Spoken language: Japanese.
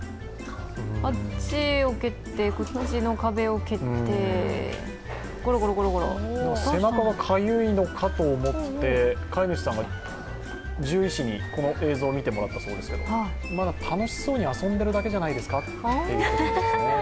あっちを蹴って、こっちの壁を蹴って、背中がかゆいのかと思って飼い主さんが獣医師に、この映像を見てもらったそうですけど、楽しそうに遊んでるだけじゃないですかという。